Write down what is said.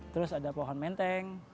terus ada pohon menteng